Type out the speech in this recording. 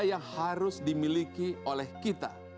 yang harus dimiliki oleh kita